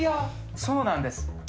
そうなんです。